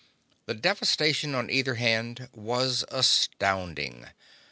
The devastation on either hand was astounding.